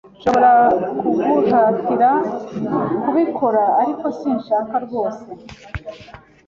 Nshobora kuguhatira kubikora, ariko sinshaka rwose.